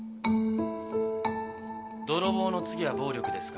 泥棒の次は暴力ですか？